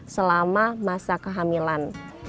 selama masa kehamilan